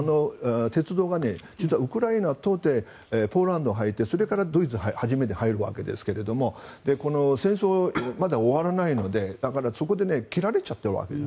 鉄道が実はウクライナを通ってポーランドに入ってそれからドイツに初めて入るわけですがこの戦争がまだ終わらないのでそこで切られちゃってるわけです。